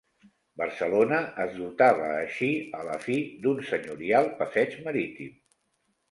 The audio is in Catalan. Barcelona es dotava així, a la fi, d'un senyorial passeig marítim.